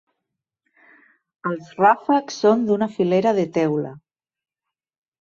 Els ràfecs són d'una filera de teula.